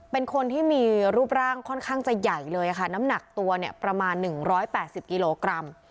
เป็นคนที่มีรูปร่างค่อนข้างจะใหญ่เลยค่ะน้ำหนักตัวเนี่ยประมาณ๑๘๐กิโลกรัม